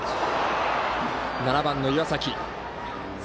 ７番の岩崎。